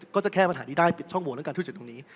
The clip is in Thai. ก็จะแก้ปัญหานี้ได้ปิดช่องโหวตเรื่องการทุจริตตรงนี้